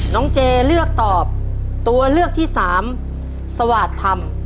น้องเจเลือกตอบตัวเลือกที่๓สวัสดิ์ธรรม